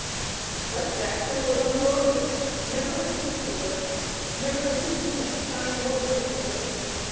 But Jackson was undaunted. Never was he cooler. Never did his genius shine more brilliantly.